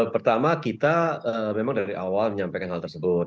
pertama kita memang dari awal menyampaikan hal tersebut